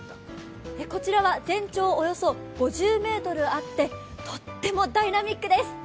こちらは全長およそ５０ｍあって、とってもダイナミックです。